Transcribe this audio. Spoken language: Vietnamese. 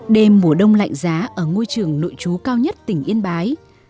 đêm mùa đông lạnh giá ở ngôi trường nội chú cao nhất tỉnh yên bái